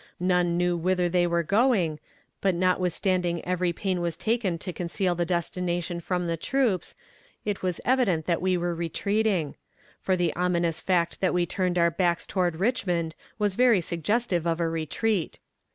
None knew whither they were going, but notwithstanding every pain was taken to conceal the destination from the troops, it was evident that we were retreating; for the ominous fact that we turned our backs toward Richmond was very suggestive of a retreat.